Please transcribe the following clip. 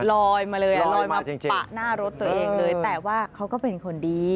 ลอยมาเลยอ่ะลอยมาปะหน้ารถตัวเองเลยแต่ว่าเขาก็เป็นคนดี